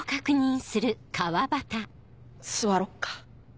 座ろっか。